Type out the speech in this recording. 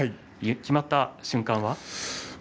決まった瞬間は？